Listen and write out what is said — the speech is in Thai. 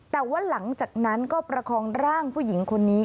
แต่ว่าหลังจากนั้นก็ประคองร่างผู้หญิงคนนี้